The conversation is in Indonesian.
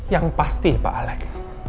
yang pasti pak alek